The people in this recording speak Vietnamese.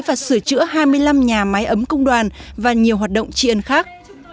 và sửa chữa hai mươi năm nhà máy ấm công đoàn và nhiều hoạt động triển khác